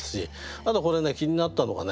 あとこれね気になったのがね